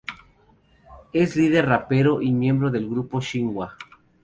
Es líder, rapero y miembro del grupo Shinhwa.